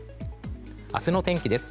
明日の天気です。